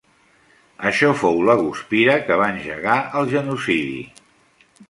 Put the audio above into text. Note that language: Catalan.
Això fou la guspira que va engegar el genocidi.